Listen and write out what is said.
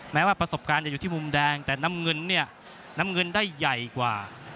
แม้ว่าประสบการณ์จะอยู่ที่มุมแดงแต่น้ำเงินเนี่ยน้ำเงินได้ใหญ่กว่า